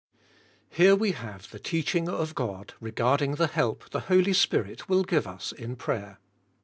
HERE we have the teaching of God regarding the help the Holy Spirit will give us in pra3^er.